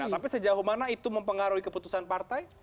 tapi sejauh mana itu mempengaruhi keputusan partai